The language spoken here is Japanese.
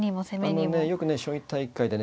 あのねよく将棋大会でね